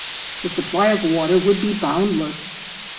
The supply of water would be boundless.